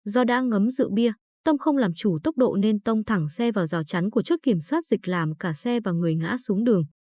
do đã ngấm rượu bia tâm không làm chủ tốc độ nên tông thẳng xe vào rào chắn của chốt kiểm soát dịch làm cả xe và người ngã xuống đường